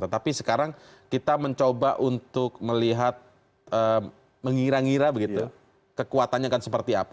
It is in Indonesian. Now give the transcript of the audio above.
tetapi sekarang kita mencoba untuk melihat mengira ngira begitu kekuatannya akan seperti apa